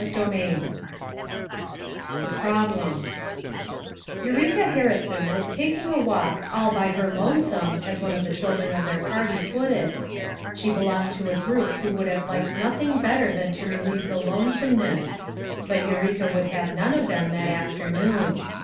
CHAPTER IX THE PEOBLEM Eueeka Haeeisok was taking a walk "all by her lonesome," as one of tlie children of their party put it; she belonged to a group who would have liked nothing better than to relieve the lonesorueness; but Eureka would have none of them that afternoon.